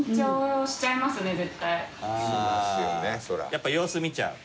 やっぱ様子見ちゃう？